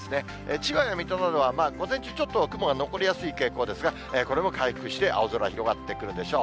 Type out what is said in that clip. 千葉や水戸などはまあ午前中、ちょっと雲が残りやすい傾向ですが、これも回復して、青空広がってくるでしょう。